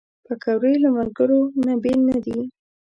پکورې له ملګرو نه بېل نه دي